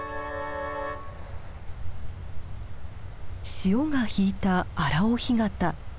潮が引いた荒尾干潟。